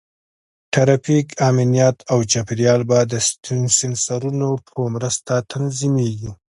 ټرافیک، امنیت، او چاپېریال به د سینسرونو په مرسته تنظیمېږي.